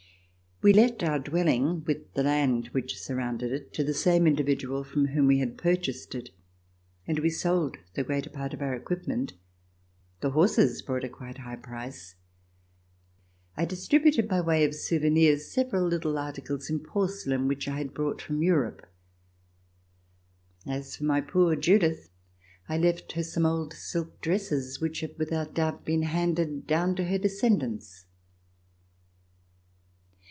We let our dwelling, with the land which sur rounded it, to the same individual from whom we had purchased it, and we sold the greater part of our equipment. The horses brought quite a high price. I distributed by way of souvenirs several little articles in porcelain which I had brought from Europe. As for my poor Judith, I left her some old silk dresses which have, without doubt, been handed down to her descendants.